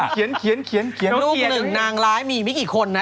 คุณก็รู้คุณก็รู้